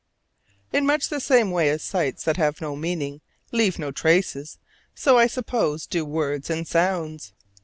In much the same way as sights that have no meaning leave no traces, so I suppose do words and sounds.